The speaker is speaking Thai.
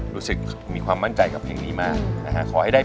รู้สึกมีความมั่นใจกับเพลงนี้มากนะฮะขอให้ได้